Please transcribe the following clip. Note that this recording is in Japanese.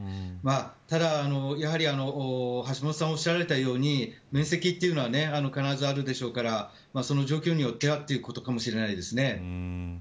ただ、やはり橋下さんおっしゃられたように免責というのは必ずあるでしょうからその状況によってはということかもしれません。